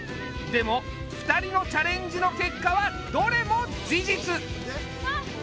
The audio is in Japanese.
でも２人のチャレンジの結果はどれも事実！